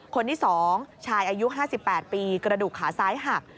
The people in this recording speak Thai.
คนที่๒ชายอายุ๕๘ปีกระดูกขาซ้ายหัก